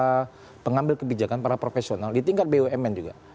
para pengambil kebijakan para profesional di tingkat bumn juga